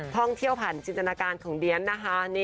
ท่องเที่ยวผ่านจินตนาการของเดียนนะคะ